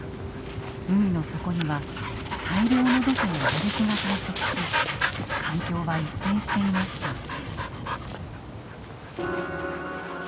海の底には大量の土砂やガレキが堆積し環境は一変していました。